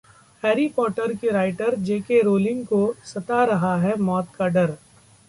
'Harry Potter' की writer J K. Rowling को सता रहा है मौत का डर